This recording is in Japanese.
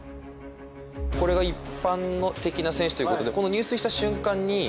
これが一般的な選手ということで入水した瞬間に。